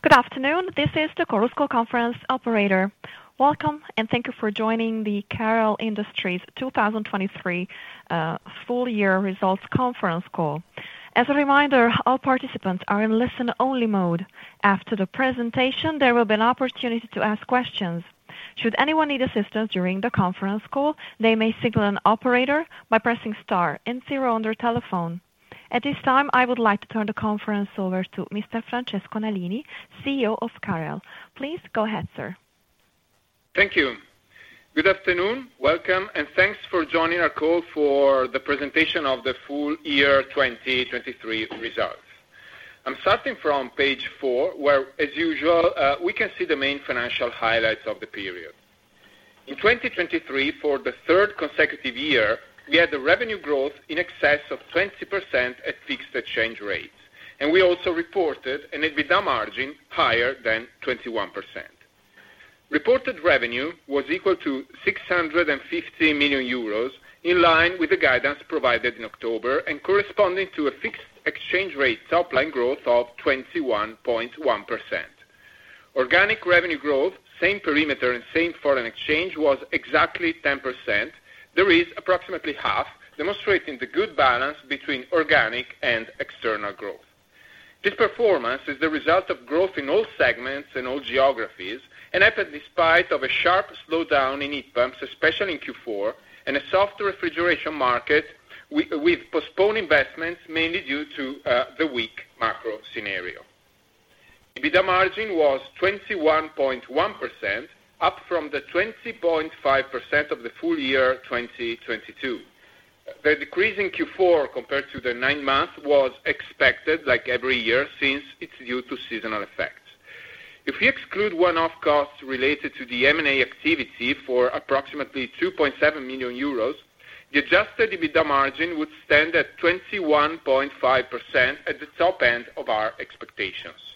Good afternoon. This is the Chorus Call conference operator. Welcome, and thank you for joining the CAREL Industries 2023 full-year results conference call. As a reminder, all participants are in listen-only mode. After the presentation, there will be an opportunity to ask questions. Should anyone need assistance during the conference call, they may signal an operator by pressing star then zero on the telephone. At this time, I would like to turn the conference over to Mr. Francesco Nalini, CEO of CAREL. Please go ahead, sir. Thank you. Good afternoon. Welcome, and thanks for joining our call for the presentation of the full-year 2023 results. I'm starting from page four where, as usual, we can see the main financial highlights of the period. In 2023, for the third consecutive year, we had a revenue growth in excess of 20% at fixed exchange rates, and we also reported an EBITDA margin higher than 21%. Reported revenue was equal to 650 million euros, in line with the guidance provided in October and corresponding to a fixed exchange rate top-line growth of 21.1%. Organic revenue growth, same perimeter and same foreign exchange, was exactly 10%. There is approximately half, demonstrating the good balance between organic and external growth. This performance is the result of growth in all segments and all geographies, and happened despite a sharp slowdown in heat pumps, especially in Q4, and a soft refrigeration market with postponed investments mainly due to the weak macro scenario. EBITDA margin was 21.1%, up from the 20.5% of the full year 2022. The decrease in Q4 compared to the nine-month was expected, like every year, since it's due to seasonal effects. If you exclude one-off costs related to the M&A activity for approximately 2.7 million euros, the adjusted EBITDA margin would stand at 21.5% at the top end of our expectations.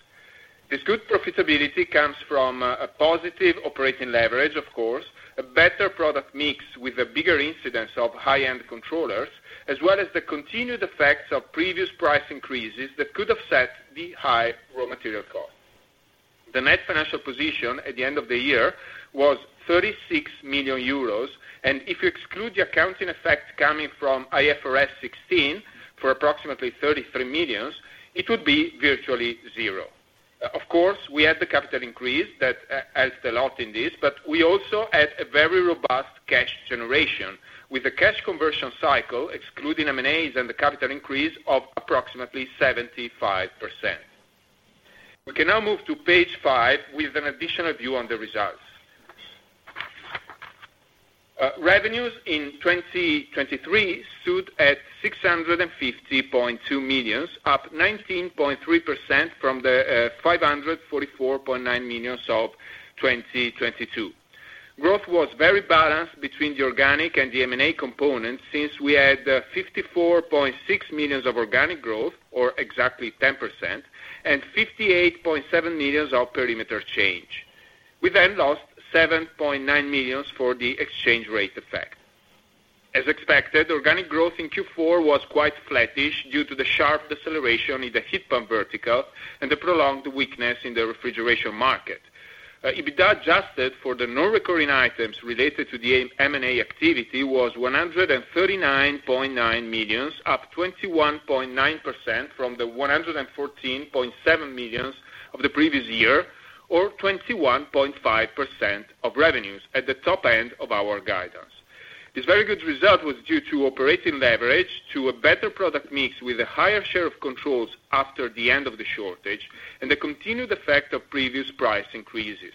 This good profitability comes from a positive operating leverage, of course, a better product mix with a bigger incidence of high-end controllers, as well as the continued effects of previous price increases that could have set the high raw material costs. The net financial position at the end of the year was 36 million euros, and if you exclude the accounting effect coming from IFRS 16 for approximately 33 million, it would be virtually zero. Of course, we had the capital increase that helped a lot in this, but we also had a very robust cash generation, with the cash conversion cycle excluding M&As and the capital increase of approximately 75%. We can now move to page five with an additional view on the results. Revenues in 2023 stood at 650.2 million, up 19.3% from the 544.9 million of 2022. Growth was very balanced between the organic and the M&A components since we had 54.6 million of organic growth, or exactly 10%, and 58.7 million of perimeter change. We then lost 7.9 million for the exchange rate effect. As expected, organic growth in Q4 was quite flattish due to the sharp deceleration in the heat pumps vertical and the prolonged weakness in the refrigeration market. EBITDA adjusted for the non-recurring items related to the M&A activity was 139.9 million, up 21.9% from the 114.7 million of the previous year, or 21.5% of revenues at the top end of our guidance. This very good result was due to operating leverage, to a better product mix with a higher share of controls after the end of the shortage, and the continued effect of previous price increases.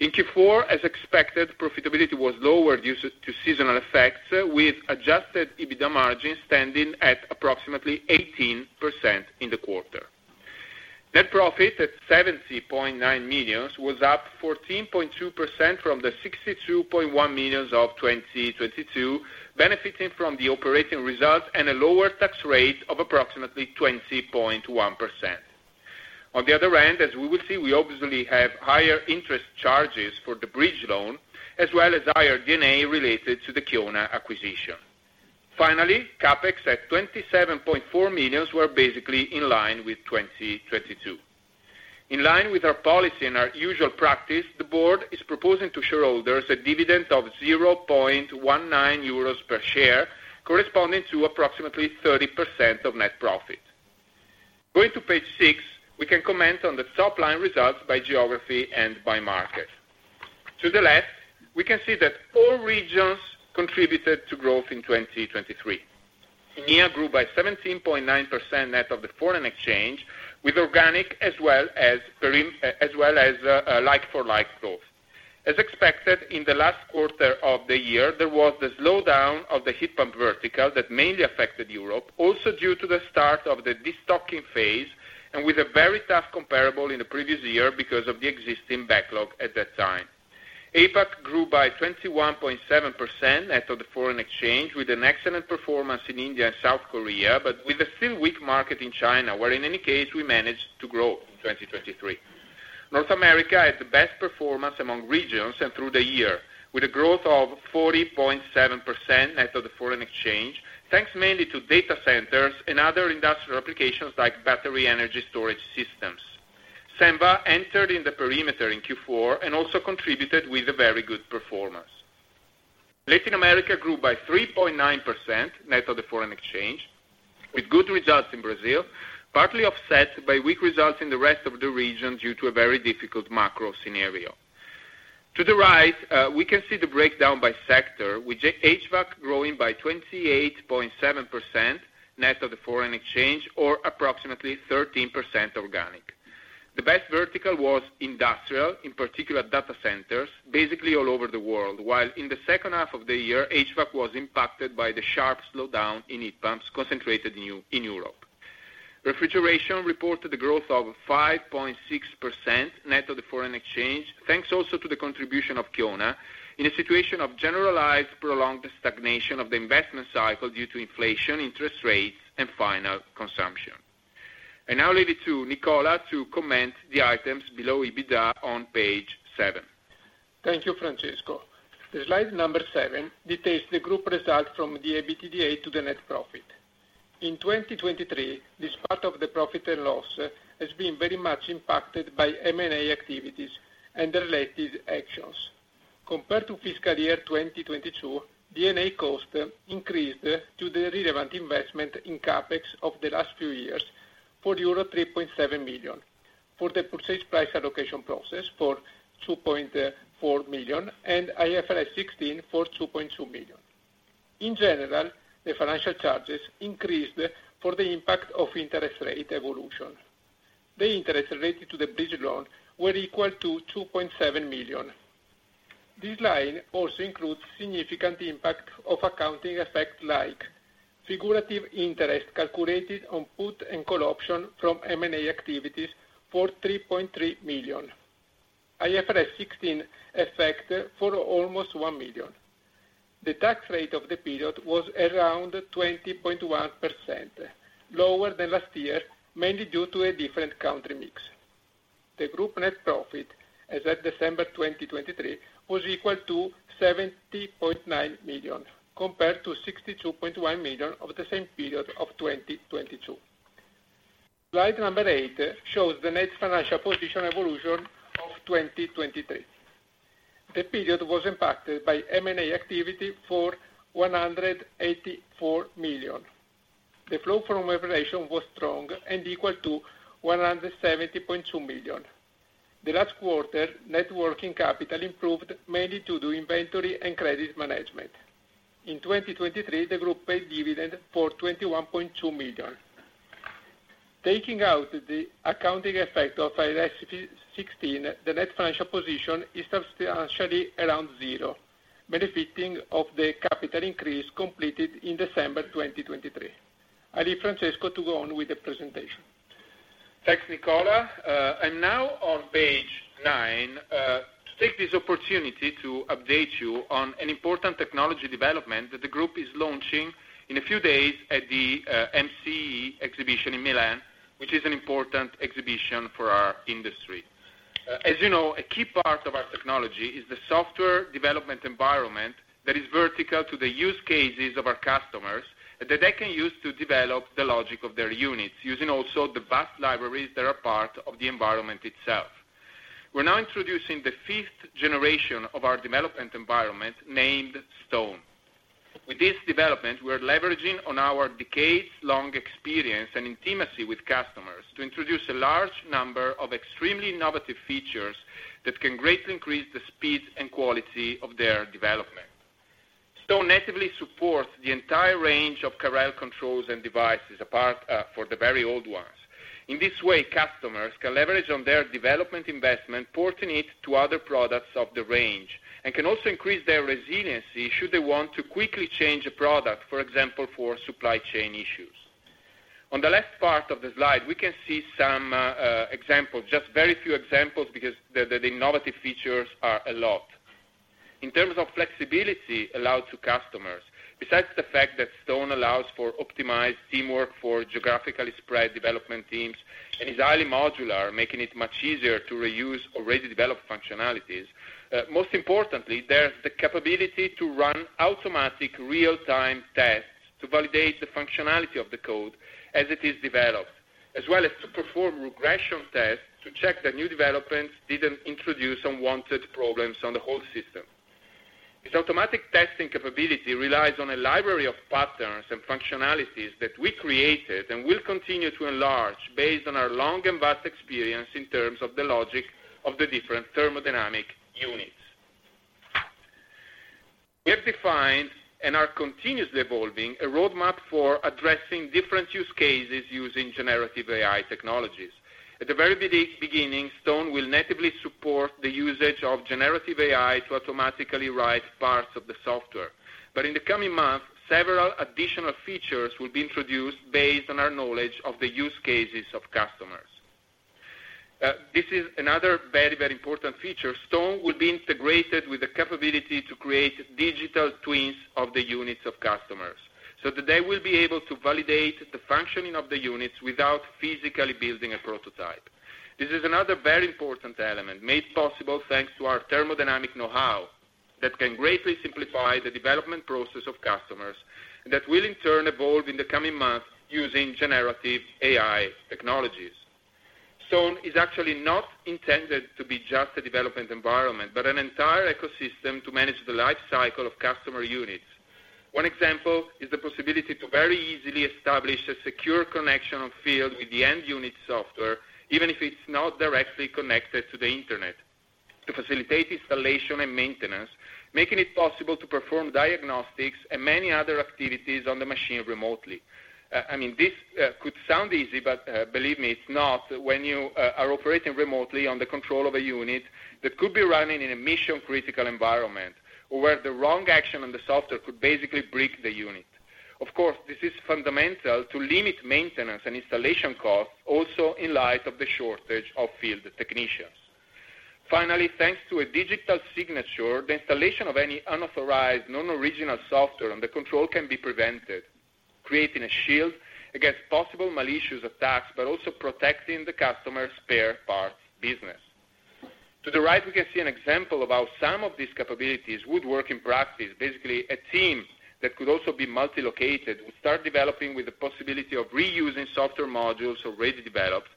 In Q4, as expected, profitability was lower due to seasonal effects, with adjusted EBITDA margin standing at approximately 18% in the quarter. Net profit at 70.9 million was up 14.2% from the 62.1 million of 2022, benefiting from the operating results and a lower tax rate of approximately 20.1%. On the other hand, as we will see, we obviously have higher interest charges for the bridge loan, as well as higher D&A related to the Kiona acquisition. Finally, CapEx at 27.4 million were basically in line with 2022. In line with our policy and our usual practice, the board is proposing to shareholders a dividend of 0.19 euros per share, corresponding to approximately 30% of net profit. Going to page six, we can comment on the top-line results by geography and by market. To the left, we can see that all regions contributed to growth in 2023. EMEA grew by 17.9% net of the foreign exchange, with organic as well as perimeter as well as, like-for-like growth. As expected, in the last quarter of the year, there was the slowdown of the heat pump vertical that mainly affected Europe, also due to the start of the destocking phase and with a very tough comparable in the previous year because of the existing backlog at that time. APAC grew by 21.7% net of the foreign exchange, with an excellent performance in India and South Korea, but with a still weak market in China, where in any case we managed to grow in 2023. North America had the best performance among regions and through the year, with a growth of 40.7% net of the foreign exchange, thanks mainly to data centers and other industrial applications like battery energy storage systems. Senva entered in the perimeter in Q4 and also contributed with a very good performance. Latin America grew by 3.9% net of the foreign exchange, with good results in Brazil, partly offset by weak results in the rest of the region due to a very difficult macro scenario. To the right, we can see the breakdown by sector, with HVAC growing by 28.7% net of the foreign exchange, or approximately 13% organic. The best vertical was industrial, in particular data centers, basically all over the world, while in the second half of the year, HVAC was impacted by the sharp slowdown in heat pumps concentrated in EU in Europe. Refrigeration reported a growth of 5.6% net of the foreign exchange, thanks also to the contribution of Kiona, in a situation of generalized prolonged stagnation of the investment cycle due to inflation, interest rates, and final consumption. I now leave it to Nicola to comment the items below EBITDA on page seven. Thank you, Francesco. The slide number seven details the group result from the EBITDA to the net profit. In 2023, this part of the profit and loss has been very much impacted by M&A activities and their related actions. Compared to fiscal year 2022, D&A cost increased due to the relevant investment in CapEx of the last few years for euro 3.7 million, for the purchase price allocation process for 2.4 million, and IFRS 16 for 2.2 million. In general, the financial charges increased for the impact of interest rate evolution. The interest related to the bridge loan were equal to 2.7 million. This line also includes significant impact of accounting effect like figurative interest calculated on put and call option from M&A activities for 3.3 million, IFRS 16 effect for almost 1 million. The tax rate of the period was around 20.1%, lower than last year, mainly due to a different country mix. The group net profit, as at December 2023, was equal to 70.9 million, compared to 62.1 million of the same period of 2022. Slide number eight shows the net financial position evolution of 2023. The period was impacted by M&A activity for 184 million. The cash flow from operations was strong and equal to 170.2 million. The last quarter, net working capital improved mainly due to inventory and credit management. In 2023, the group paid dividend for 21.2 million. Taking out the accounting effect of IFRS 16, the net financial position is substantially around zero, benefiting from the capital increase completed in December 2023. I leave Francesco to go on with the presentation. Thanks, Nicola. I'm now on page nine, to take this opportunity to update you on an important technology development that the group is launching in a few days at the MCE exhibition in Milan, which is an important exhibition for our industry. As you know, a key part of our technology is the software development environment that is vertical to the use cases of our customers, that they can use to develop the logic of their units, using also the vast libraries that are part of the environment itself. We're now introducing the fifth generation of our development environment named STone. With this development, we're leveraging on our decades-long experience and intimacy with customers to introduce a large number of extremely innovative features that can greatly increase the speed and quality of their development. STone natively supports the entire range of CAREL controls and devices, apart from the very old ones. In this way, customers can leverage on their development investment, porting it to other products of the range, and can also increase their resiliency should they want to quickly change a product, for example, for supply chain issues. On the left part of the slide, we can see some examples, just very few examples because the innovative features are a lot. In terms of flexibility allowed to customers, besides the fact that STone allows for optimized teamwork for geographically spread development teams and is highly modular, making it much easier to reuse already developed functionalities, most importantly, there's the capability to run automatic real-time tests to validate the functionality of the code as it is developed, as well as to perform regression tests to check that new developments didn't introduce unwanted problems on the whole system. This automatic testing capability relies on a library of patterns and functionalities that we created and will continue to enlarge based on our long and vast experience in terms of the logic of the different thermodynamic units. We have defined, and are continuously evolving, a roadmap for addressing different use cases using generative AI technologies. At the very beginning, STone will natively support the usage of generative AI to automatically write parts of the software, but in the coming months, several additional features will be introduced based on our knowledge of the use cases of customers. This is another very, very important feature. STone will be integrated with the capability to create digital twins of the units of customers, so that they will be able to validate the functioning of the units without physically building a prototype. This is another very important element made possible thanks to our thermodynamic know-how that can greatly simplify the development process of customers and that will, in turn, evolve in the coming months using generative AI technologies. STone is actually not intended to be just a development environment, but an entire ecosystem to manage the life cycle of customer units. One example is the possibility to very easily establish a secure connection on field with the end unit software, even if it's not directly connected to the internet, to facilitate installation and maintenance, making it possible to perform diagnostics and many other activities on the machine remotely. I mean, this could sound easy, but believe me, it's not. When you are operating remotely on the control of a unit that could be running in a mission-critical environment or where the wrong action on the software could basically break the unit. Of course, this is fundamental to limit maintenance and installation costs, also in light of the shortage of field technicians. Finally, thanks to a digital signature, the installation of any unauthorized, non-original software on the control can be prevented, creating a shield against possible malicious attacks but also protecting the customer's spare parts business. To the right, we can see an example of how some of these capabilities would work in practice. Basically, a team that could also be multilocated would start developing with the possibility of reusing software modules already developed,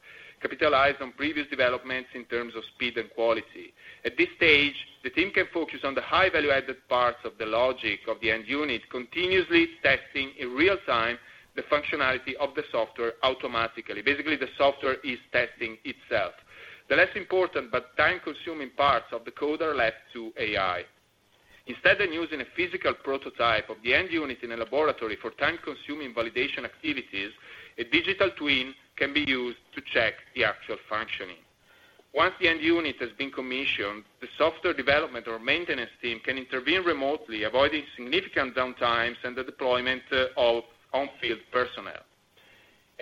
capitalized on previous developments in terms of speed and quality. At this stage, the team can focus on the high-value-added parts of the logic of the end unit, continuously testing in real time the functionality of the software automatically. Basically, the software is testing itself. The less important but time-consuming parts of the code are left to AI. Instead of using a physical prototype of the end unit in a laboratory for time-consuming validation activities, a digital twin can be used to check the actual functioning. Once the end unit has been commissioned, the software development or maintenance team can intervene remotely, avoiding significant downtimes and the deployment of on-field personnel.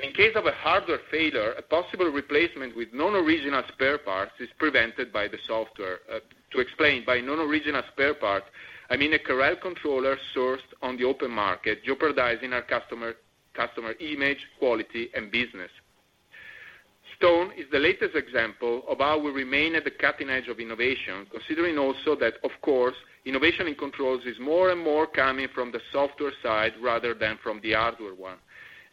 In case of a hardware failure, a possible replacement with non-original spare parts is prevented by the software. To explain, by non-original spare part, I mean a CAREL controller sourced on the open market, jeopardizing our customer image, quality, and business. STone is the latest example of how we remain at the cutting edge of innovation, considering also that, of course, innovation in controls is more and more coming from the software side rather than from the hardware one.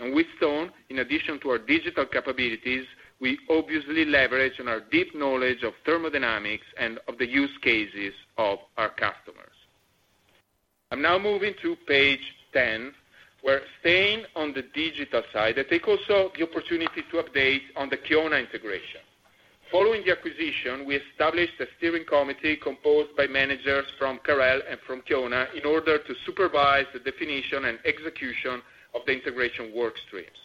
And with STone, in addition to our digital capabilities, we obviously leverage on our deep knowledge of thermodynamics and of the use cases of our customers. I'm now moving to page 10, where staying on the digital side, I take also the opportunity to update on the Kiona integration. Following the acquisition, we established a steering committee composed by managers from CAREL and from Kiona in order to supervise the definition and execution of the integration workstreams.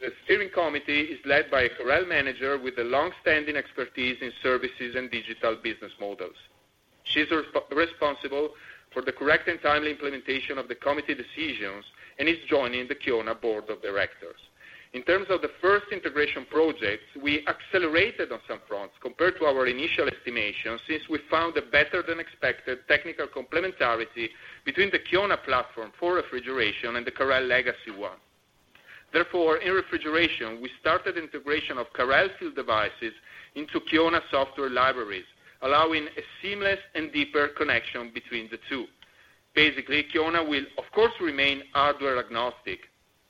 The steering committee is led by a CAREL manager with a longstanding expertise in services and digital business models. She's responsible for the correct and timely implementation of the committee decisions and is joining the Kiona board of directors. In terms of the first integration projects, we accelerated on some fronts compared to our initial estimations since we found a better-than-expected technical complementarity between the Kiona platform for refrigeration and the CAREL legacy one. Therefore, in refrigeration, we started the integration of CAREL field devices into Kiona software libraries, allowing a seamless and deeper connection between the two. Basically, Kiona will, of course, remain hardware agnostic,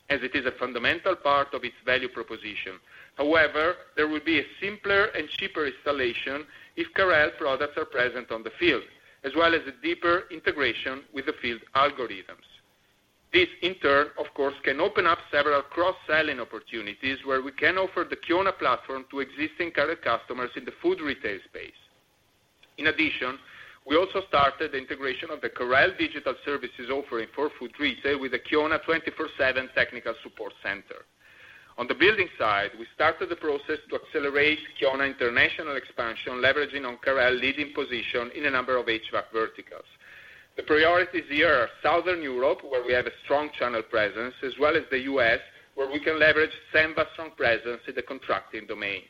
as it is a fundamental part of its value proposition. However, there will be a simpler and cheaper installation if CAREL products are present on the field, as well as a deeper integration with the field algorithms. This, in turn, of course, can open up several cross-selling opportunities where we can offer the Kiona platform to existing CAREL customers in the food retail space. In addition, we also started the integration of the CAREL digital services offering for food retail with the Kiona 24/7 technical support center. On the building side, we started the process to accelerate Kiona international expansion, leveraging on CAREL leading position in a number of HVAC verticals. The priorities here are Southern Europe, where we have a strong channel presence, as well as the U.S., where we can leverage Senva's strong presence in the contracting domain.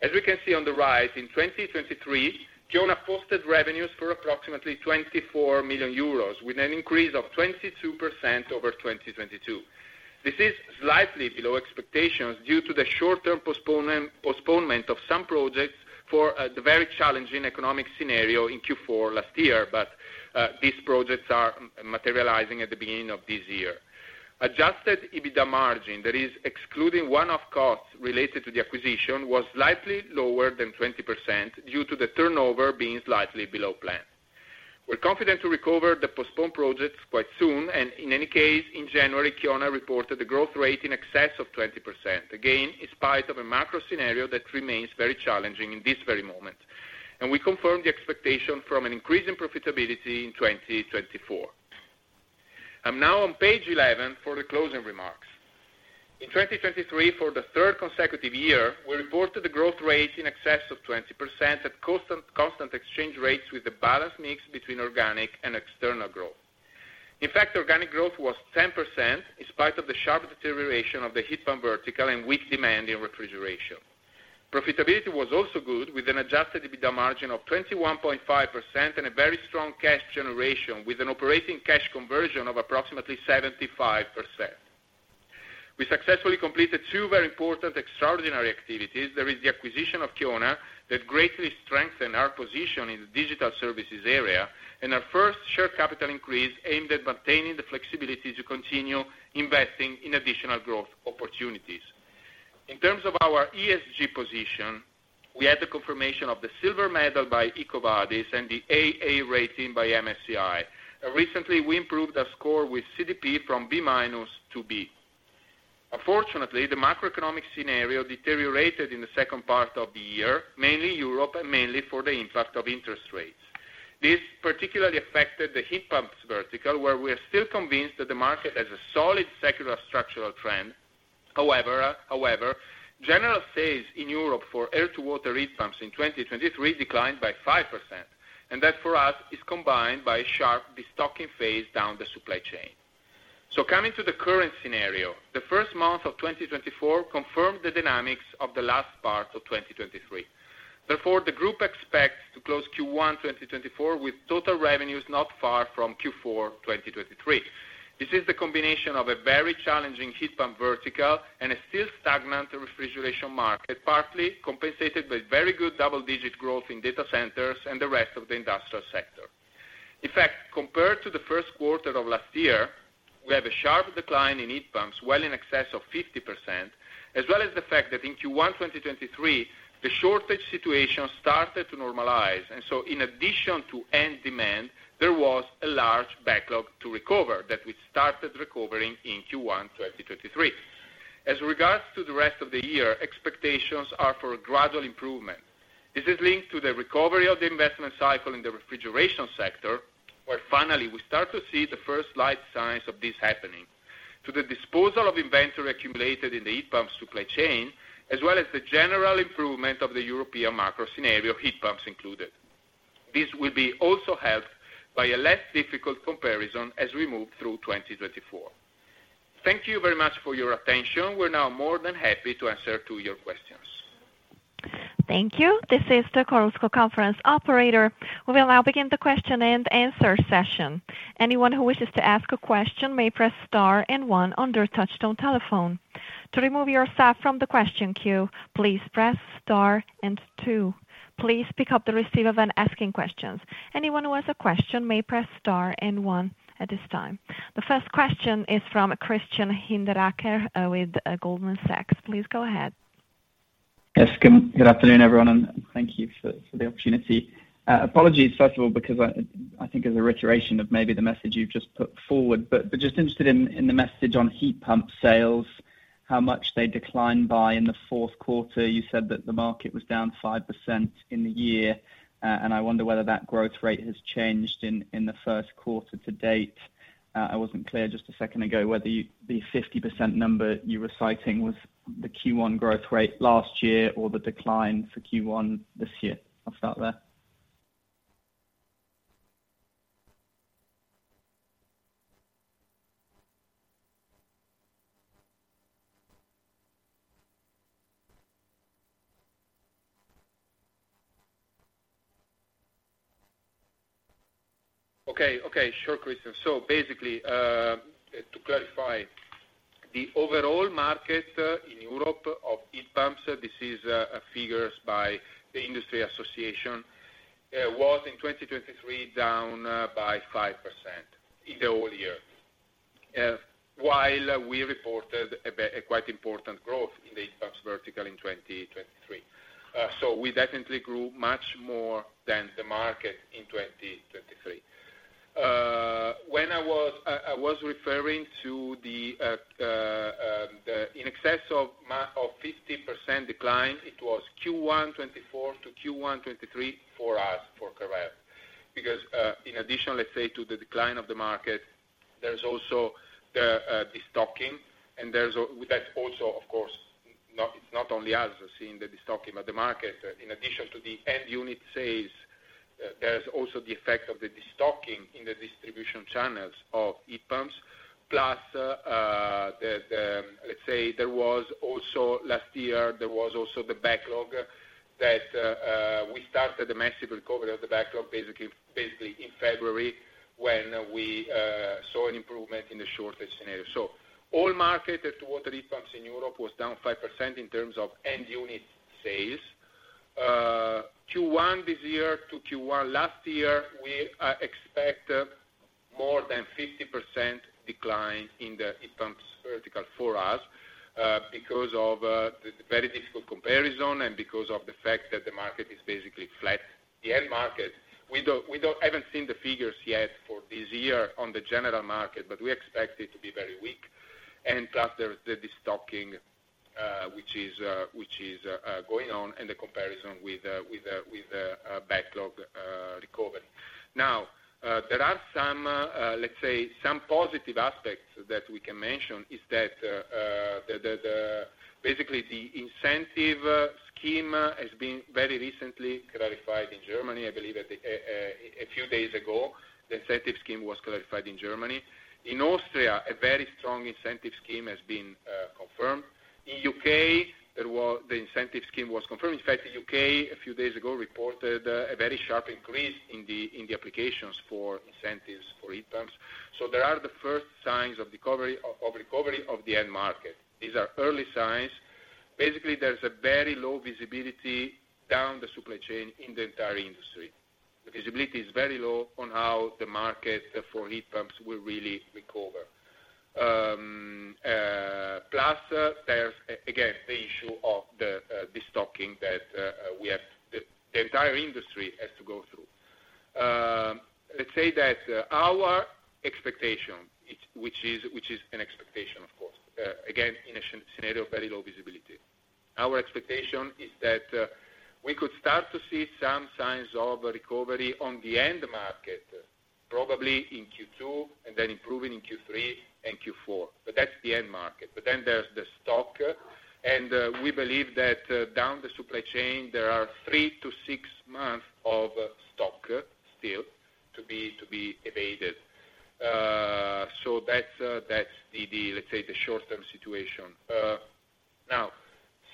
As we can see on the right, in 2023, Kiona posted revenues for approximately 24 million euros, with an increase of 22% over 2022. This is slightly below expectations due to the short-term postponement of some projects for the very challenging economic scenario in Q4 last year, but these projects are materializing at the beginning of this year. Adjusted EBITDA margin, that is, excluding one-off costs related to the acquisition, was slightly lower than 20% due to the turnover being slightly below plan. We're confident to recover the postponed projects quite soon, and in any case, in January, Kiona reported a growth rate in excess of 20%, again in spite of a macro scenario that remains very challenging in this very moment. And we confirmed the expectation from an increase in profitability in 2024. I'm now on page 11 for the closing remarks. In 2023, for the third consecutive year, we reported a growth rate in excess of 20% at constant exchange rates with a balanced mix between organic and external growth. In fact, organic growth was 10% in spite of the sharp deterioration of the heat pump vertical and weak demand in refrigeration. Profitability was also good, with an adjusted EBITDA margin of 21.5% and a very strong cash generation, with an operating cash conversion of approximately 75%. We successfully completed two very important extraordinary activities. There is the acquisition of Kiona that greatly strengthened our position in the digital services area and our first share capital increase aimed at maintaining the flexibility to continue investing in additional growth opportunities. In terms of our ESG position, we had the confirmation of the silver medal by EcoVadis and the AA rating by MSCI. Recently, we improved our score with CDP from B- to B. Unfortunately, the macroeconomic scenario deteriorated in the second part of the year, mainly Europe and mainly for the impact of interest rates. This particularly affected the heat pumps vertical, where we are still convinced that the market has a solid secular structural trend. However, general sales in Europe for air-to-water heat pumps in 2023 declined by 5%, and that for us is combined by a sharp destocking phase down the supply chain. So coming to the current scenario, the first month of 2024 confirmed the dynamics of the last part of 2023. Therefore, the group expects to close Q1 2024 with total revenues not far from Q4 2023. This is the combination of a very challenging heat pump vertical and a still stagnant refrigeration market, partly compensated by very good double-digit growth in data centers and the rest of the industrial sector. In fact, compared to the first quarter of last year, we have a sharp decline in heat pumps, well in excess of 50%, as well as the fact that in Q1 2023, the shortage situation started to normalize. And so, in addition to end demand, there was a large backlog to recover that we started recovering in Q1 2023. As regards to the rest of the year, expectations are for a gradual improvement. This is linked to the recovery of the investment cycle in the refrigeration sector, where finally we start to see the first light signs of this happening, to the disposal of inventory accumulated in the heat pumps supply chain, as well as the general improvement of the European macro scenario, heat pumps included. This will be also helped by a less difficult comparison as we move through 2024. Thank you very much for your attention. We're now more than happy to answer two of your questions. Thank you. This is the Chorus Call conference operator. We will now begin the question and answer session. Anyone who wishes to ask a question may press star and one on their touch-tone telephone. To remove yourself from the question queue, please press star and two. Please pick up the receiver when asking questions. Anyone who has a question may press star and one at this time. The first question is from Christian Hinderaker with Goldman Sachs. Please go ahead. Yes, Kim. Good afternoon, everyone, and thank you for the opportunity. Apologies, first of all, because I think there's a reiteration of maybe the message you've just put forward, but just interested in the message on heat pump sales, how much they declined by in the fourth quarter. You said that the market was down 5% in the year, and I wonder whether that growth rate has changed in the first quarter to date. I wasn't clear just a second ago whether you the 50% number you were citing was the Q1 growth rate last year or the decline for Q1 this year. I'll start there. Okay, okay. Sure, Christian. So basically, to clarify, the overall market in Europe of heat pumps—this is figures by the industry association—was in 2023 down by 5% in the whole year, while we reported a very important growth in the heat pumps vertical in 2023. So we definitely grew much more than the market in 2023. When I was referring to the in excess of 50% decline, it was Q1 2024 to Q1 2023 for us, for CAREL, because, in addition, let's say, to the decline of the market, there's also the destocking, and that's also, of course, and it's not only us seeing the destocking, but the market. In addition to the end unit sales, there's also the effect of the destocking in the distribution channels of heat pumps, plus, let's say, there was also last year, there was also the backlog that we started a massive recovery of the backlog basically in February when we saw an improvement in the shortage scenario. So all market air-to-water heat pumps in Europe was down 5% in terms of end unit sales. Q1 this year to Q1 last year, we expect more than 50% decline in the heat pumps vertical for us, because of the very difficult comparison and because of the fact that the market is basically flat. The end market, we haven't seen the figures yet for this year on the general market, but we expect it to be very weak. And plus, there's the destocking, which is going on and the comparison with the backlog recovery. Now, there are some, let's say, some positive aspects that we can mention is that basically the incentive scheme has been very recently clarified in Germany, I believe, a few days ago. The incentive scheme was clarified in Germany. In Austria, a very strong incentive scheme has been confirmed. In the U.K., the incentive scheme was confirmed. In fact, the U.K. a few days ago reported a very sharp increase in the applications for incentives for heat pumps. So there are the first signs of recovery of the end market. These are early signs. Basically, there's a very low visibility down the supply chain in the entire industry. The visibility is very low on how the market for heat pumps will really recover. Plus, there's again the issue of the destocking that we have, the entire industry has to go through. Let's say that our expectation, which is an expectation, of course, again, in a short scenario of very low visibility. Our expectation is that we could start to see some signs of recovery on the end market, probably in Q2 and then improving in Q3 and Q4, but that's the end market. But then there's the stock, and we believe that down the supply chain, there are three to six months of stock still to be eaten. So that's the, let's say, short-term situation. Now,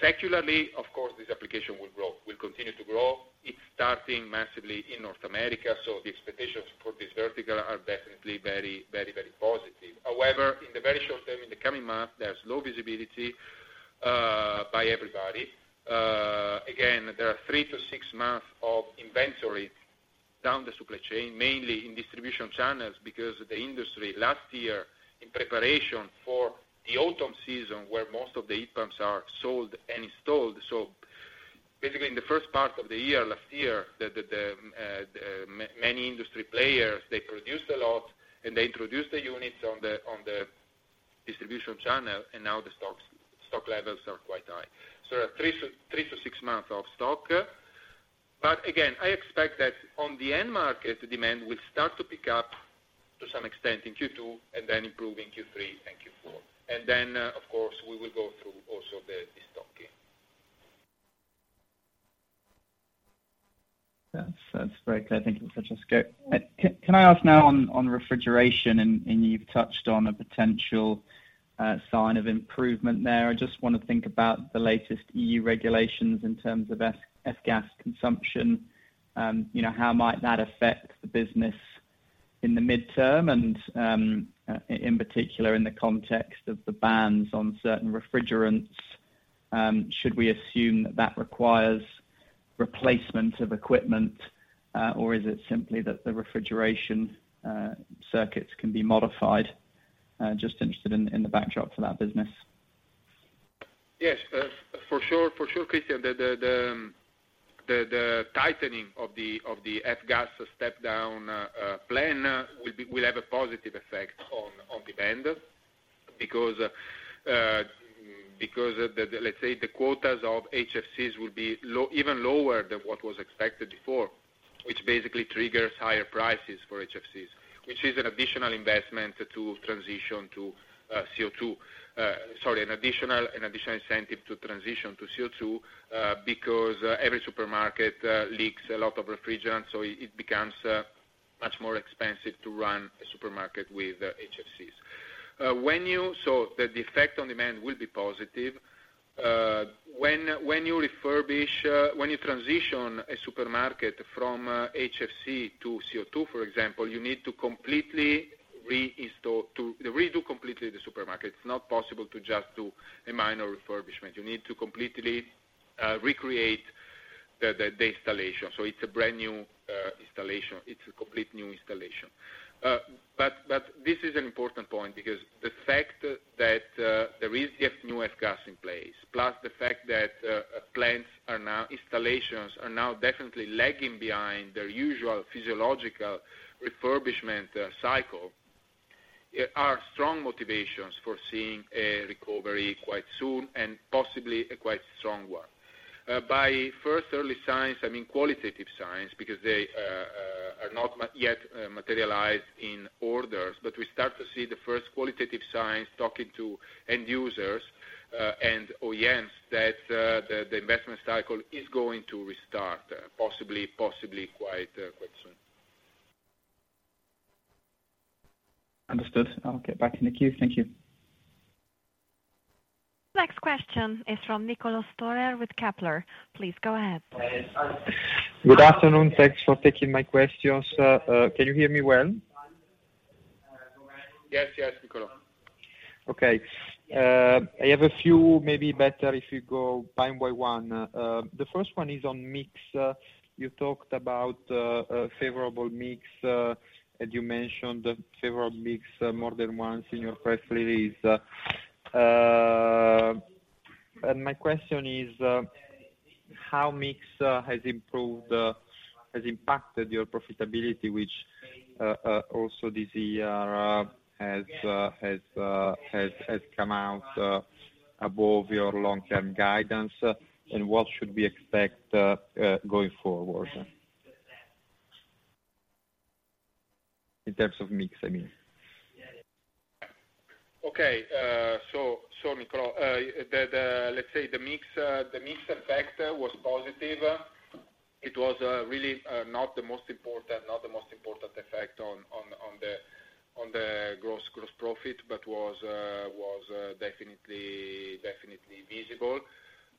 secularly, of course, this application will grow, will continue to grow. It's starting massively in North America, so the expectations for this vertical are definitely very, very, very positive. However, in the very short term, in the coming month, there's low visibility by everybody. Again, there are 3-6 months of inventory down the supply chain, mainly in distribution channels, because the industry last year, in preparation for the autumn season where most of the heat pumps are sold and installed, so basically, in the first part of the year last year, many industry players, they produced a lot, and they introduced the units on the distribution channel, and now the stock levels are quite high. So there are three to six months of stock. Again, I expect that on the end market, demand will start to pick up to some extent in Q2 and then improve in Q3 and Q4. Then, of course, we will go through also the destocking. That's very clear. Thank you, Francesco. Can I ask now on refrigeration, and you've touched on a potential sign of improvement there. I just wanna think about the latest EU regulations in terms of F-gas consumption. You know, how might that affect the business in the medium term and, in particular in the context of the bans on certain refrigerants? Should we assume that that requires replacement of equipment, or is it simply that the refrigeration circuits can be modified? Just interested in the backdrop for that business. Yes, for sure. For sure, Christian. The tightening of the F-gas step-down plan will have a positive effect on demand because the let's say the quotas of HFCs will be even lower than what was expected before, which basically triggers higher prices for HFCs, which is an additional investment to transition to CO2 sorry an additional incentive to transition to CO2, because every supermarket leaks a lot of refrigerant, so it becomes much more expensive to run a supermarket with HFCs. So the effect on demand will be positive. When you refurbish, when you transition a supermarket from HFC to CO2, for example, you need to completely reinstall to redo completely the supermarket. It's not possible to just do a minor refurbishment. You need to completely recreate the installation. So it's a brand new installation. It's a complete new installation. But this is an important point because the fact that there is the new F-gas in place, plus the fact that plants and installations are now definitely lagging behind their usual physiological refurbishment cycle, are strong motivations for seeing a recovery quite soon and possibly a quite strong one. By first early signs I mean qualitative signs because they are not yet materialized in orders, but we start to see the first qualitative signs talking to end users and OEMs that the investment cycle is going to restart, possibly quite soon. Understood. I'll get back in the queue. Thank you. Next question is from Niccolò Storer with Kepler. Please go ahead. Good afternoon. Thanks for taking my questions. Can you hear me well? Yes, yes, Nicola. Okay. I have a few, maybe better if you go one by one. The first one is on mix. You talked about favorable mix, and you mentioned favorable mix more than once in your press release. And my question is, how mix has improved has impacted your profitability, which also this year has come out above your long-term guidance, and what should we expect going forward in terms of mix, I mean? Okay, so, Niccola, by the, let's say, the mix effect was positive. It was really not the most important effect on the gross profit, but was definitely visible.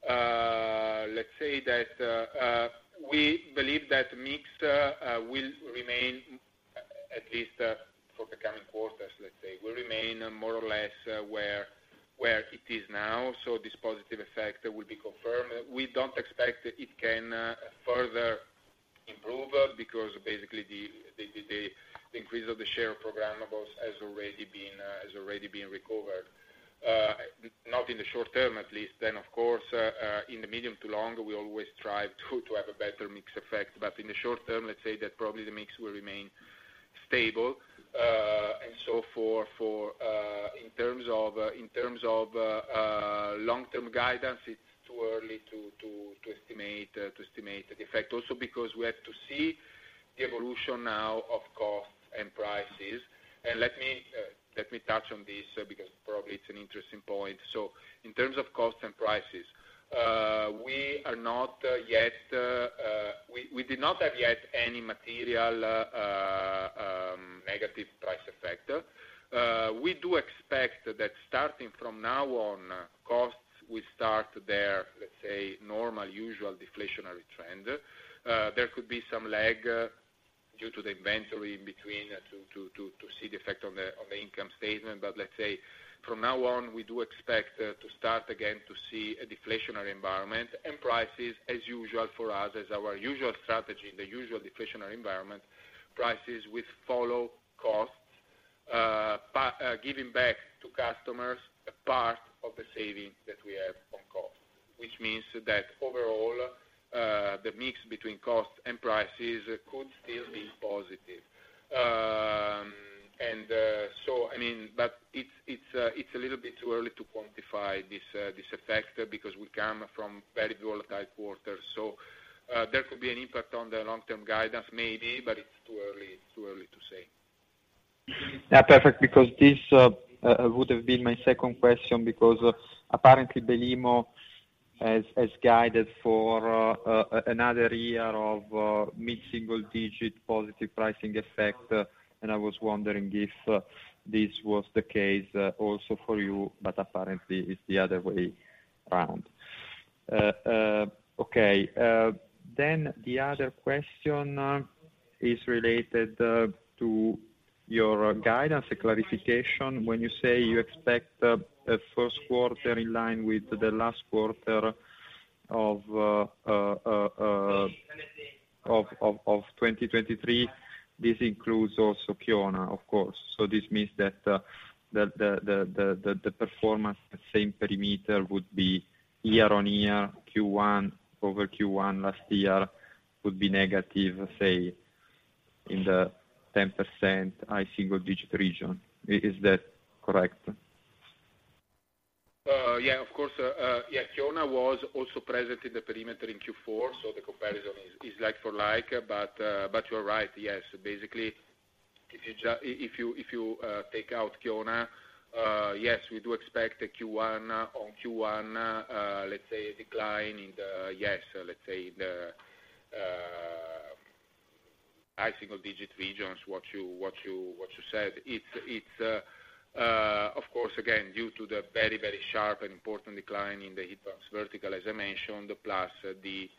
Let's say that we believe that mix will remain, at least for the coming quarters, let's say, more or less where it is now. So this positive effect will be confirmed. We don't expect it can further improve because basically the increase of the share of programmables has already been recovered, not in the short term at least. Then, of course, in the medium to long, we always strive to have a better mix effect. But in the short term, let's say that probably the mix will remain stable, and so, in terms of long-term guidance, it's too early to estimate the effect also because we have to see the evolution now of costs and prices. Let me touch on this because probably it's an interesting point. So in terms of costs and prices, we are not yet; we did not have yet any material negative price effect. We do expect that starting from now on, costs will start their, let's say, normal, usual deflationary trend. There could be some lag due to the inventory in between to see the effect on the income statement. But let's say from now on, we do expect to start again to see a deflationary environment and prices as usual for us as our usual strategy in the usual deflationary environment, prices will follow costs, by giving back to customers a part of the savings that we have on costs, which means that overall, the mix between costs and prices could still be positive. And so, I mean, but it's, it's a little bit too early to quantify this effect because we come from very volatile quarters. So, there could be an impact on the long-term guidance maybe, but it's too early, it's too early to say. Yeah, perfect because this would have been my second question because apparently Belimo has guided for another year of mid-single-digit positive pricing effect. And I was wondering if this was the case also for you, but apparently it's the other way around. Okay. Then the other question is related to your guidance, a clarification. When you say you expect a first quarter in line with the last quarter of 2023, this includes also Kiona, of course. So this means that the performance at same perimeter would be year-on-year, Q1 over Q1 last year would be negative, say, in the 10% high-single-digit region. Is that correct? Yeah, of course. Yeah, Kiona was also present in the perimeter in Q4, so the comparison is like for like. But you're right. Yes, basically, if you take out Kiona, yes, we do expect a Q1 on Q1, let's say, a decline in the, yes, let's say, in the high-single-digit regions, what you said. It's, of course, again, due to the very, very sharp and important decline in the heat pumps vertical, as I mentioned, plus the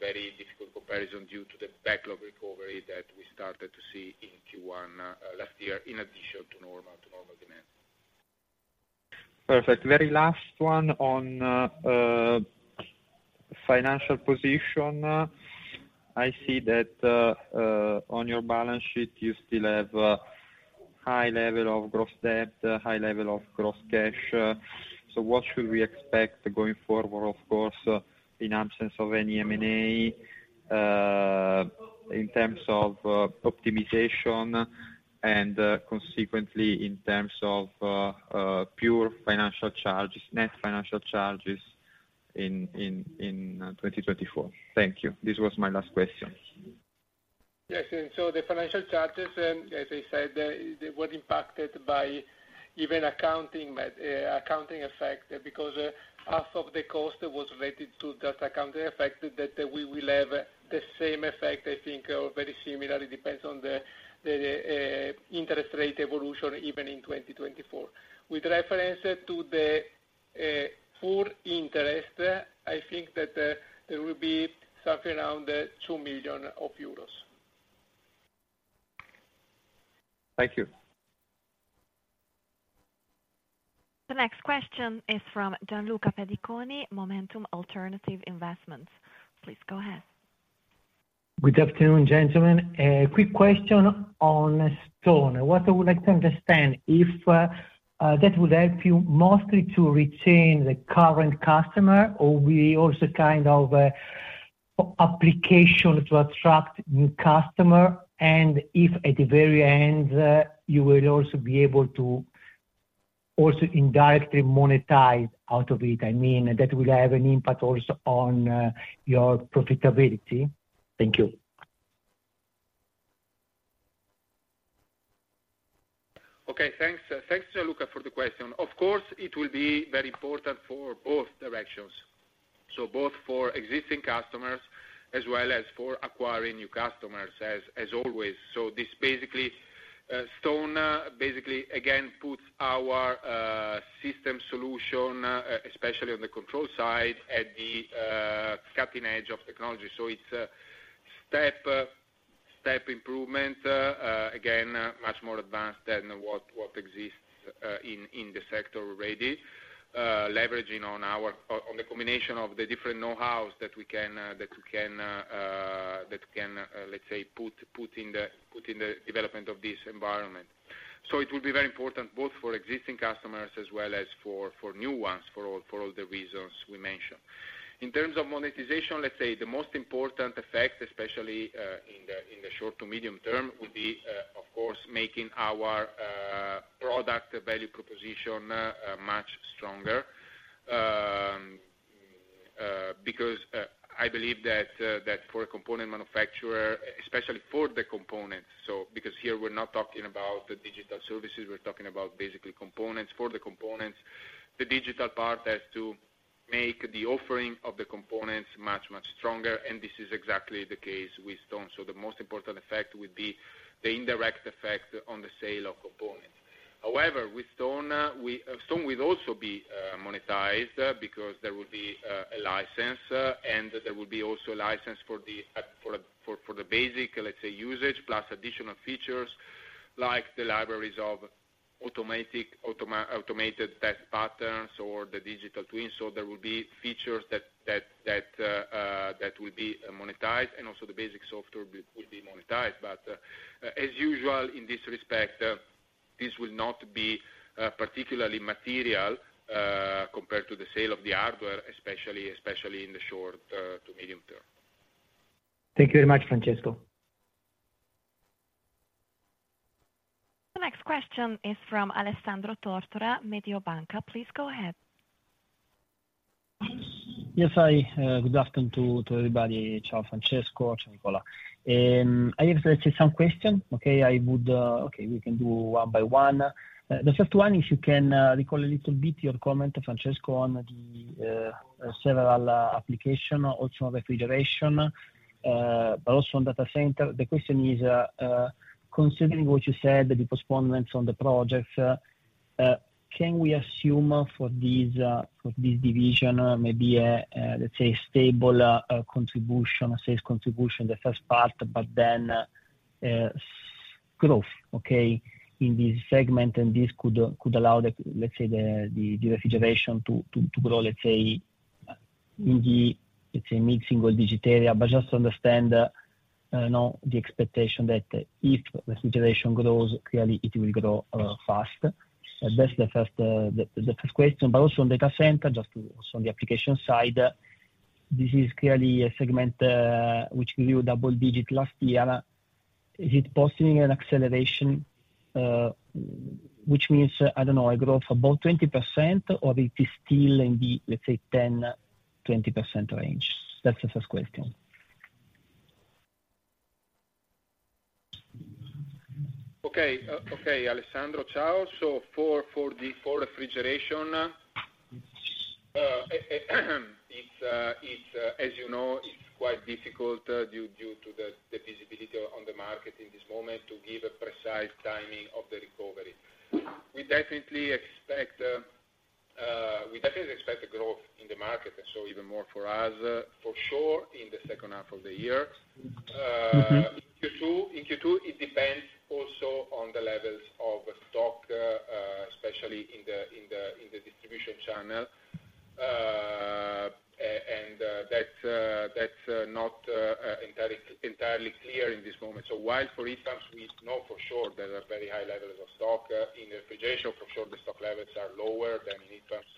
very difficult comparison due to the backlog recovery that we started to see in Q1 last year in addition to normal demand. Perfect. Very last one on financial position. I see that, on your balance sheet, you still have a high level of gross debt, high level of gross cash. So what should we expect going forward, of course, in absence of any M&A, in terms of optimization and, consequently, in terms of pure financial charges, net financial charges in 2024? Thank you. This was my last question. Yes. And so the financial charges, as I said, it were impacted by an accounting effect because half of the cost was related to that accounting effect that we will have the same effect, I think, or very similar. It depends on the interest rate evolution even in 2024. With reference to the net interest, I think that there will be something around 2 million euros. Thank you. The next question is from Gianluca Pediconi, MOMentum Alternative Investments. Please go ahead. Good afternoon, gentlemen. Quick question on STone. What I would like to understand, if that would help you mostly to retain the current customer or be also kind of application to attract new customer, and if at the very end, you will also be able to also indirectly monetize out of it, I mean, that will have an impact also on your profitability? Thank you. Okay. Thanks, Gianluca, for the question. Of course, it will be very important for both directions, so both for existing customers as well as for acquiring new customers as always. So this basically, STone basically, again, puts our system solution, especially on the control side, at the cutting edge of technology. So it's step step improvement, again, much more advanced than what exists in the sector already, leveraging on our on the combination of the different know-hows that we can put in the development of this environment. So it will be very important both for existing customers as well as for new ones for all the reasons we mentioned. In terms of monetization, let's say, the most important effect, especially, in the short to medium term, would be, of course, making our product value proposition much stronger, because I believe that for a component manufacturer, especially for the components so because here we're not talking about the digital services. We're talking about basically components. For the components, the digital part has to make the offering of the components much, much stronger. And this is exactly the case with STone. So the most important effect would be the indirect effect on the sale of components. However, with STone, STone will also be monetized because there will be a license, and there will be also a license for the, for the basic, let's say, usage plus additional features like the libraries of automated test patterns or the digital twin. So there will be features that will be monetized, and also the basic software would be monetized. But, as usual, in this respect, this will not be particularly material, compared to the sale of the hardware, especially in the short to medium term. Thank you very much, Francesco. The next question is from Alessandro Tortora, Mediobanca. Please go ahead. Yes, hi. Good afternoon to everybody. Ciao, Francesco, ciao, Nicola. I have, let's say, some questions, okay? I would, okay, we can do one by one. The first one is you can recall a little bit your comment, Francesco, on the several applications, also on refrigeration, but also on data center. The question is, considering what you said, the postponements on the projects, can we assume for these, for this division maybe a, let's say, stable contribution, sales contribution, the first part, but then subsequent growth, okay, in this segment? And this could allow the, let's say, the refrigeration to grow, let's say, in the mid-single-digit area. But just to understand, you know, the expectation that if refrigeration grows, clearly, it will grow fast. That's the first question. But also on data center, just to also on the application side, this is clearly a segment, which grew double-digit last year. Is it possibly an acceleration, which means, I don't know, a growth of about 20%, or it is still in the, let's say, 10%-20% range? That's the first question. Okay, Alessandro. Ciao. So for the refrigeration, it's, as you know, quite difficult due to the visibility on the market in this moment to give a precise timing of the recovery. We definitely expect a growth in the market, and so even more for us, for sure, in the second half of the year. In Q2, it depends also on the levels of stock, especially in the distribution channel. And that's not entirely clear in this moment. So while for heat pumps, we know for sure there are very high levels of stock. In refrigeration, for sure, the stock levels are lower than in heat pumps,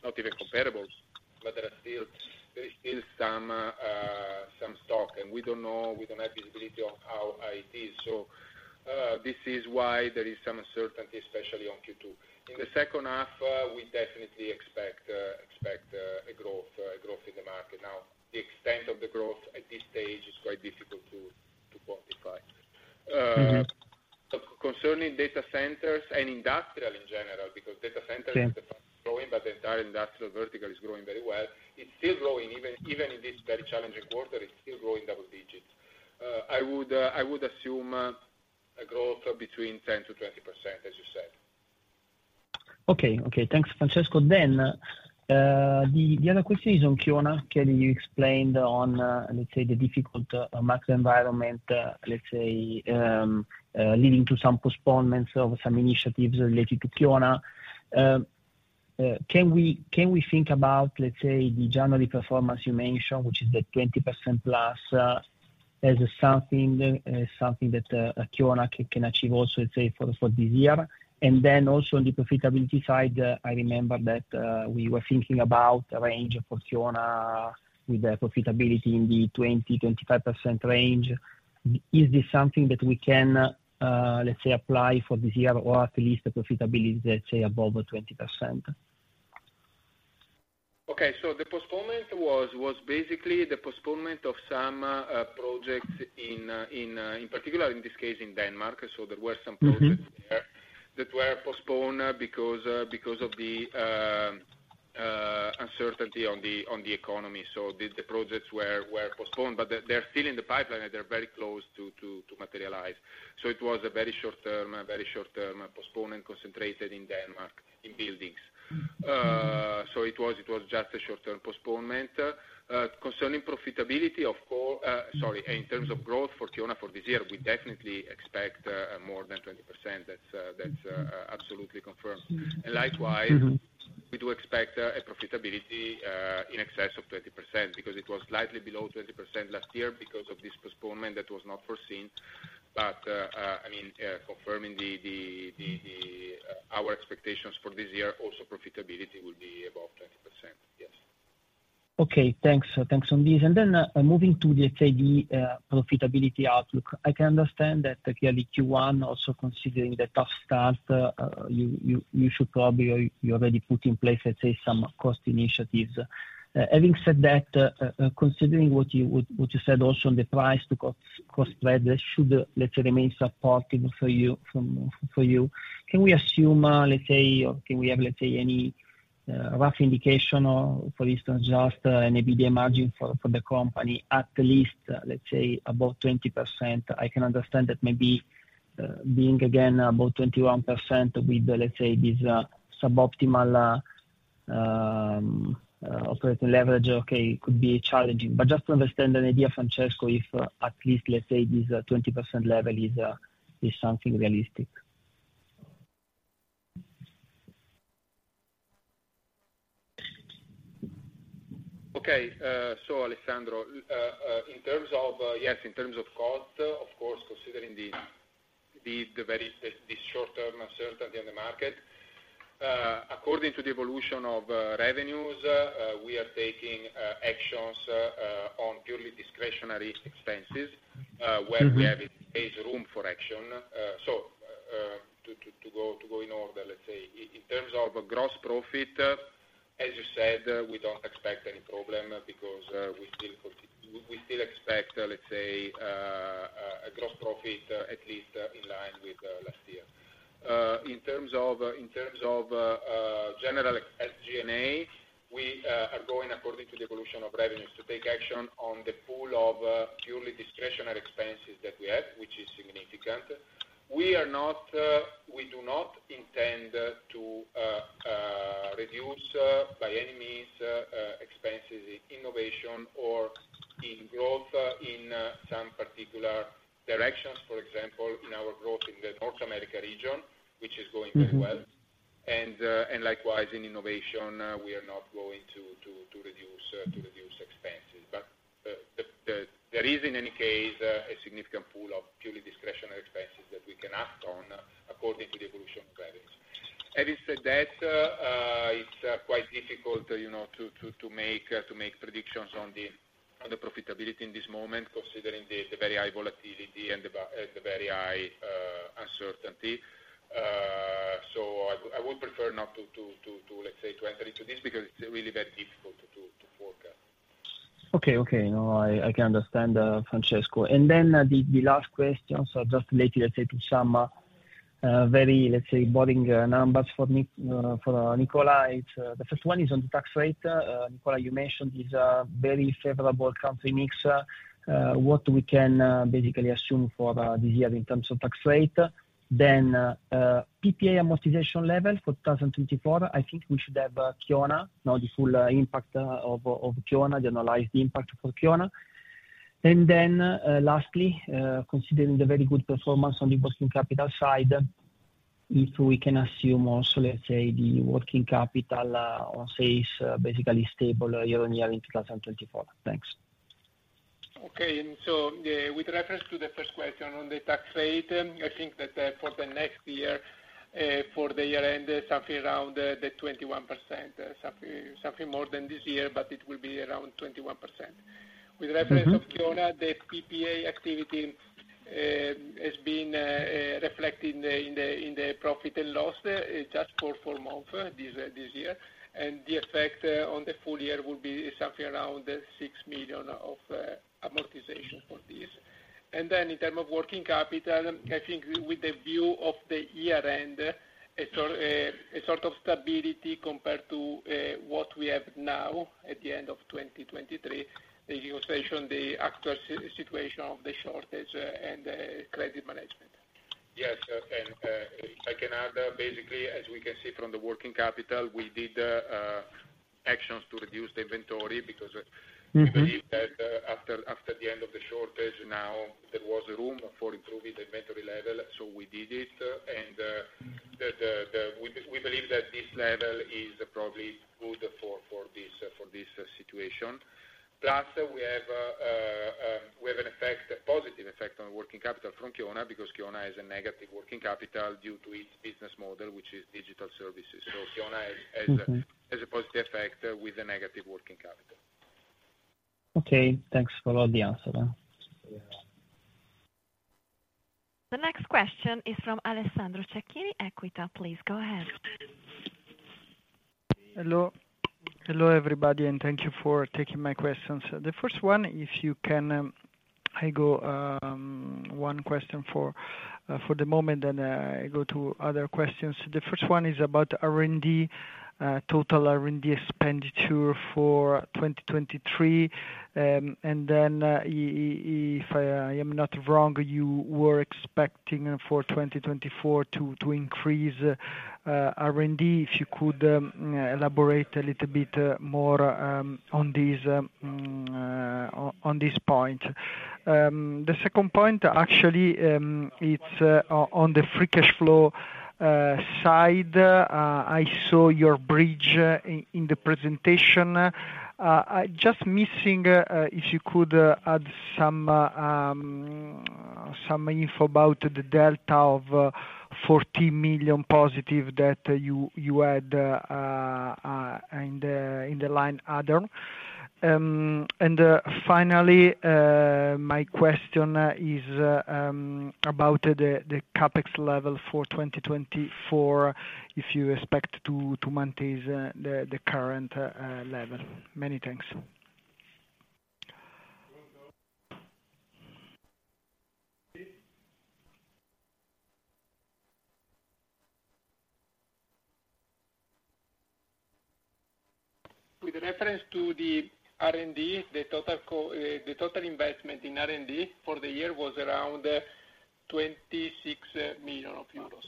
not even comparable. But there is still some stock. We don't know, we don't have visibility on how, how it is. So, this is why there is some uncertainty, especially on Q2. In the second half, we definitely expect, expect, a growth, a growth in the market. Now, the extent of the growth at this stage is quite difficult to, to quantify concerning data centers and industrial in general because data center is the fastest growing, but the entire industrial vertical is growing very well, it's still growing even, even in this very challenging quarter. It's still growing double-digit. I would, I would assume, a growth between 10%-20%, as you said. Okay. Okay. Thanks, Francesco. Then, the other question is on Kiona, clearly you explained on, let's say, the difficult, macro environment, let's say, leading to some postponements of some initiatives related to Kiona. Can we think about, let's say, the January performance you mentioned, which is the 20%+, as something that Kiona can achieve also, let's say, for this year? And then also on the profitability side, I remember that we were thinking about a range for Kiona with a profitability in the 20%-25% range. Is this something that we can, let's say, apply for this year or at least a profitability, let's say, above 20%? Okay. So the postponement was basically the postponement of some projects in particular, in this case, in Denmark. So there were some projects there that were postponed because of the uncertainty on the economy. So the projects were postponed, but they're still in the pipeline, and they're very close to materialize. So it was a very short-term postponement concentrated in Denmark in buildings. So it was just a short-term postponement. Concerning profitability. In terms of growth for Kiona for this year, we definitely expect more than 20%. That's absolutely confirmed. And likewise, we do expect a profitability in excess of 20% because it was slightly below 20% last year because of this postponement that was not foreseen. But, I mean, confirming our expectations for this year, also profitability will be above 20%. Yes. Okay. Thanks. Thanks on this. Then, moving to the, let's say, profitability outlook, I can understand that, clearly, Q1, also considering the tough start, you should probably or you already put in place, let's say, some cost initiatives. Having said that, considering what you said also on the price to cost, cost spread, that should, let's say, remain supportive for you, can we assume, let's say or can we have, let's say, any rough indication or, for instance, just an EBITDA margin for the company at least, let's say, above 20%? I can understand that maybe, being again above 21% with, let's say, this suboptimal operating leverage, okay, could be challenging. But just to understand an idea, Francesco, if at least, let's say, this 20% level is something realistic. Okay. So, Alessandro, in terms of, yes, in terms of cost, of course, considering this short-term uncertainty on the market, according to the evolution of revenues, we are taking actions on purely discretionary expenses, where we have in this case room for action. So, to go in order, let's say, in terms of gross profit, as you said, we don't expect any problem because we still expect, let's say, a gross profit at least in line with last year. In terms of general SG&A, we are going according to the evolution of revenues to take action on the pool of purely discretionary expenses that we have, which is significant. We are not; we do not intend to reduce, by any means, expenses in innovation or in growth in some particular directions, for example, in our growth in the North America region, which is going very well. And likewise, in innovation, we are not going to reduce expenses. But there is, in any case, a significant pool of purely discretionary expenses that we can act on according to the evolution of revenues. Having said that, it's quite difficult, you know, to make predictions on the profitability at this moment considering the very high volatility and the very high uncertainty. So I would prefer not to, let's say, enter into this because it's really very difficult to forecast. Okay. No, I can understand, Francesco. And then, the last questions are just related, let's say, to some very, let's say, boring numbers for Nicola. It's the first one on the tax rate. Nicola, you mentioned this very favorable country mix. What we can basically assume for this year in terms of tax rate. Then, PPA amortization level for 2024, I think we should have Kiona, you know, the full impact of Kiona, the annualized impact for Kiona. And then, lastly, considering the very good performance on the working capital side, if we can assume also, let's say, the working capital on sales basically stable year-over-year in 2024. Thanks. Okay. And so, with reference to the first question on the tax rate, I think that, for the next year, for the year-end, something around, the 21%, something, something more than this year, but it will be around 21%. With reference. Mm-hmm. Of Kiona, the PPA activity, has been reflected in the profit and loss, just for this month this year. And the effect on the full year will be something around 6 million of amortization for this. And then in terms of working capital, I think with the view of the year-end, a sort of stability compared to what we have now at the end of 2023, the negotiation, the actual situation of the shortage, and credit management. Yes. And if I can add, basically, as we can see from the working capital, we did actions to reduce the inventory because, Mm-hmm. We believe that, after the end of the shortage, now there was room for improving the inventory level. We did it. We believe that this level is probably good for this situation. Plus, we have a positive effect on working capital from Kiona because Kiona has a negative working capital due to its business model, which is digital services. So Kiona has. Mm-hmm. Has a positive effect with a negative working capital. Okay. Thanks for all the answers. The next question is from Alessandro Cecchini, Equita. Please go ahead. Hello. Hello, everybody. Thank you for taking my questions. The first one, if you can, I go, one question for the moment, and I go to other questions. The first one is about R&D, total R&D expenditure for 2023. And then, if I am not wrong, you were expecting for 2024 to increase R&D. If you could elaborate a little bit more on this point. The second point, actually, it's on the free cash flow side. I saw your bridge in the presentation. I just missing, if you could add some info about the delta of 14 million positive that you had in the line other. And finally, my question is about the CapEx level for 2024 if you expect to maintain the current level. Many thanks. With reference to the R&D, the total investment in R&D for the year was around 26 million euros.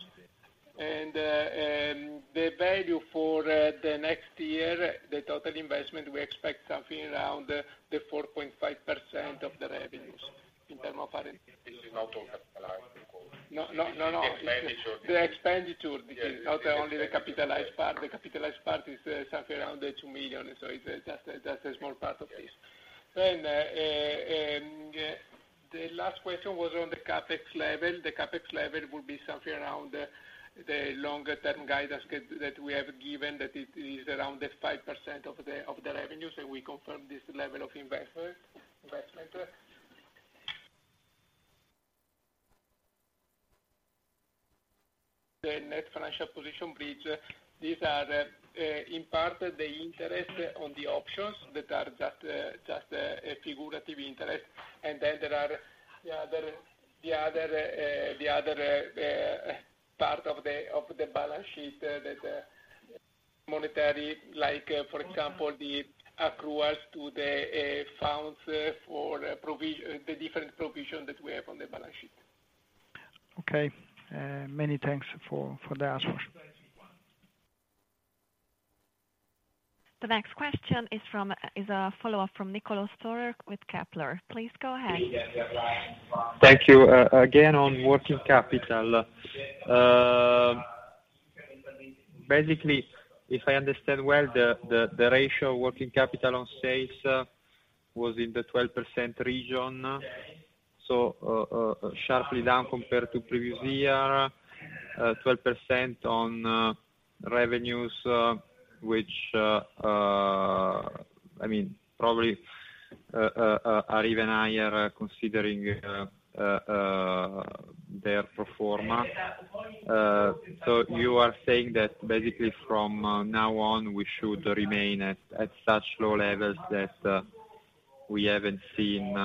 The value for the next year, the total investment, we expect something around 4.5% of the revenues in terms of R&D. This is not capitalized, of course. No, no, no, no. The expenditure is. The expenditure is not only the capitalized part. The capitalized part is something around 2 million. So it's just, just a small part of this. And yeah, the last question was on the CapEx level. The CapEx level will be something around the longer-term guidance that we have given that it is around 5% of the revenues. And we confirm this level of investment, investment. The net financial position bridge, these are in part the interest on the options that are just, just a figurative interest. And then there are the other the other, the other part of the balance sheet that monetary like, for example, the accruals to the funds for provisions, the different provision that we have on the balance sheet. Okay. Many thanks for the answers. The next question is a follow-up from Niccolò Storer with Kepler. Please go ahead. Thank you again, on working capital, basically, if I understand well, the ratio of working capital on sales was in the 12% region. So, sharply down compared to previous year, 12% on revenues, which, I mean, probably, are even higher considering their performance. So you are saying that, basically, from now on, we should remain at such low levels that we haven't seen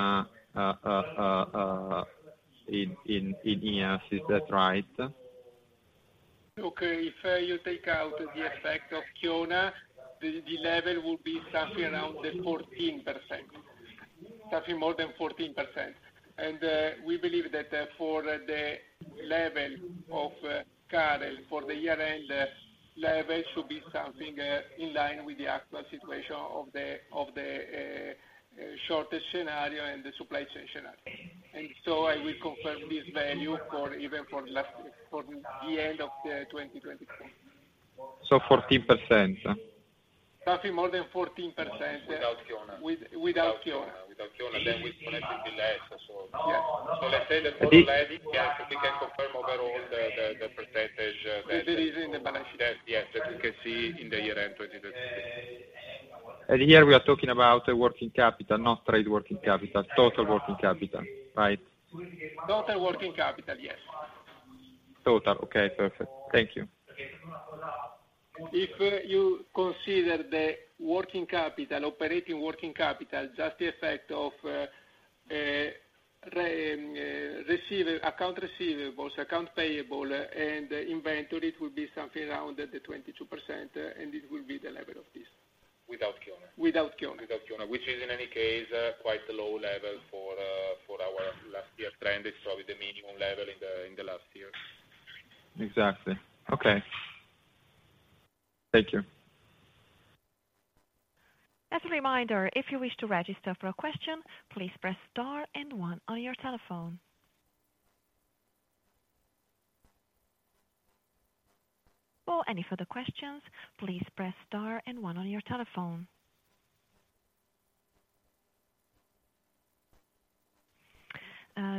in years. Is that right? Okay. If you take out the effect of Kiona, the level will be something around the 14%, something more than 14%. And we believe that for the level of CAREL, for the year-end level should be something in line with the actual situation of the shortage scenario and the supply chain scenario. And so I will confirm this value even for the end of 2024. So 14%. Something more than 14%. Without Kiona. Without Kiona. Without Kiona, then it will be less, so. Yes. So, let's say, the total adding, yes, we can confirm overall the percentage that. That there is in the balance sheet. Yes, that we can see in the year-end 2023. Here, we are talking about working capital, not trade working capital, total working capital, right? Total working capital, yes. Total. Okay. Perfect. Thank you. If you consider the working capital, operating working capital, just the effect of receivables, accounts receivable, accounts payable, and inventory, it will be something around the 22%. It will be the level of this. Without Kiona. Without Kiona. Without Kiona, which is, in any case, quite a low level for our last-year trend. It's probably the minimum level in the last year. Exactly. Okay. Thank you. As a reminder, if you wish to register for a question, please press star and one on your telephone. For any further questions, please press star and one on your telephone.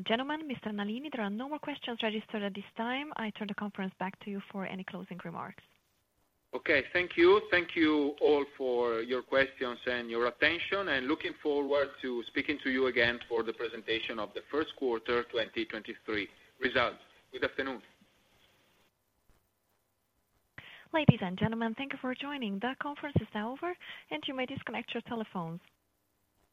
Gentlemen, Mr. Nalini, there are no more questions registered at this time. I turn the conference back to you for any closing remarks. Okay. Thank you. Thank you all for your questions and your attention. Looking forward to speaking to you again for the presentation of the first quarter 2023 results. Good afternoon. Ladies and gentlemen, thank you for joining. The conference is now over, and you may disconnect your telephones.